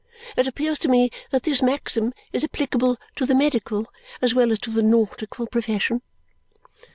It appears to me that this maxim is applicable to the medical as well as to the nautical profession.